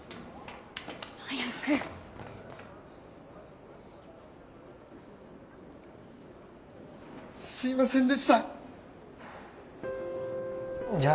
早くすいませんでしたじゃあ